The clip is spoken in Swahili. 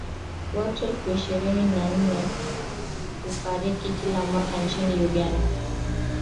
Takribani watu elfu ishirini na nane hufariki kila mwaka nchini Uganda